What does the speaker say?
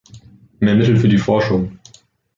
Mehr Mittel für die Forschung.